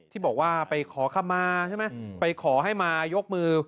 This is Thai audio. ที่บอกว่าไปขอคำมาใช่ไหมไปขอให้มายกมือ